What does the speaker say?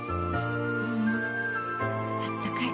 ううんあったかい。